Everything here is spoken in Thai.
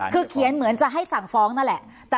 คือเขียนเหมือนจะให้สั่งฟ้องนั่นแหละ